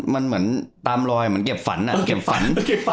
มันเหมือนตามลอยเหมือนเก็บฝันอะ